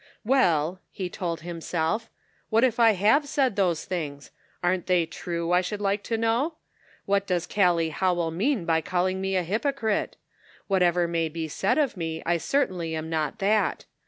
"Well," he told himself, "what if I have said those things ? Aren't they' true, I should like to know ? What does Callie Ho well mean by calling me a hypocrite ? Whatever may be said of me, I certainly am not that.